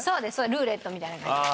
ルーレットみたいな感じで。